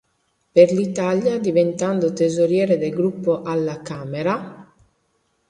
Per l'Italia diventando tesoriere del gruppo alla Camera.